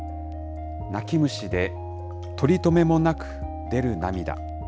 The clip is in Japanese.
泣き虫で取り止めもなく出る涙。